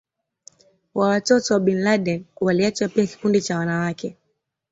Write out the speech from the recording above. wa watoto wa Bin Laden Waliacha pia kikundi cha wanawake